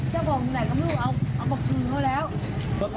เจ้าของอยู่ไหน